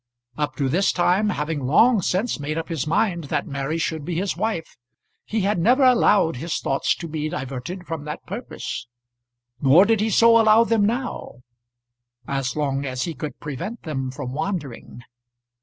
Up to this time, having long since made up his mind that Mary should be his wife, he had never allowed his thoughts to be diverted from that purpose. Nor did he so allow them now, as long as he could prevent them from wandering.